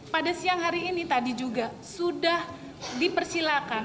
pada siang hari ini tadi juga sudah dipersilakan